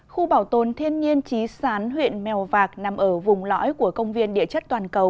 khu bảo tồn thiên nhiên trí sán huyện mèo vạc nằm ở vùng lõi của công viên địa chất toàn cầu